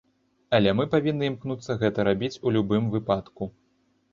Але мы павінны імкнуцца гэта рабіць у любым выпадку.